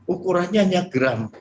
ukurannya hanya gram